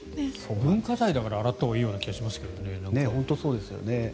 文化財だから洗ったほうがいいような気もしますけどね。